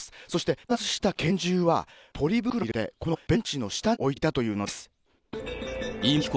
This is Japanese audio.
そして強奪した拳銃はポリ袋に入れて、このベンチの下に置いていたというのです。